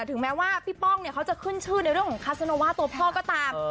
ถึงแม้ว่าพี่ป้องเนี่ยเขาจะขึ้นชื่อในเรื่องของคัสโนว่าตัวพ่อก็ตาม